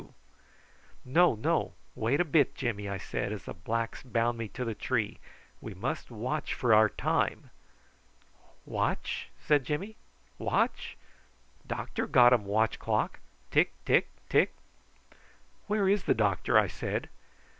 "No, no! wait a bit, Jimmy," I said, as the blacks bound me to the tree. "We must watch for our time." "Watch?" said Jimmy; "watch? Doctor got um watch clock. Tick, tick, tick!" "Where is the doctor?" I said.